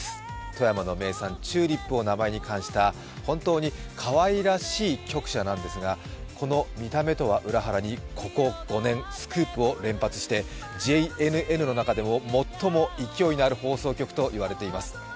富山の名産・チューリップを名前に冠した本当にかわいらしい局舎なんですがこの見た目とは裏腹にここ５年、スクープを連発してＪＮＮの中でも最も勢いのある放送局と言われています。